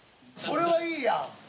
それはいいやん。